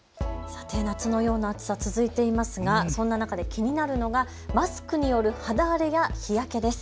さて夏のような暑さ続いていますが、そんな中で気になるのがマスクによる肌荒れや日焼けです。